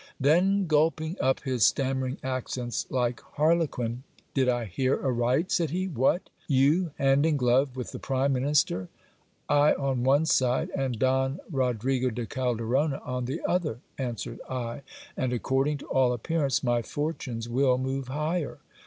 Then gulping up his stammering accents like harlequin, Did I hear aright? said he. What! you hand in glove with the prime minis ter. I on one side, and Don Rodrigo de Calderona on the other, answered I ; and according to all appearance, my fortunes will move higher.